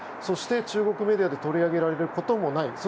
そして、中国メディアで取り上げられることもない。